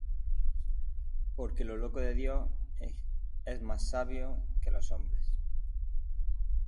Porque lo loco de Dios es más sabio que los hombres;